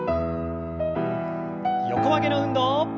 横曲げの運動。